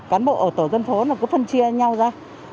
cán bộ ở tổ dân phố cũng phân chia nhau ra